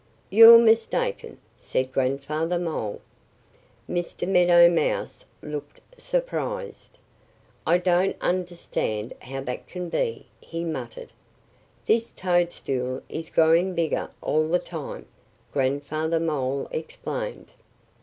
"You're mistaken," said Grandfather Mole. Mr. Meadow Mouse looked surprised. "I don't understand how that can be," he muttered. "This toadstool is growing bigger all the time," Grandfather Mole explained.